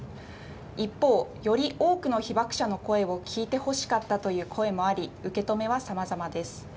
一方、より多くの被爆者の声を聞いてほしかったという声もあり、受け止めはさまざまです。